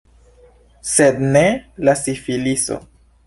Sed ne la sifiliso.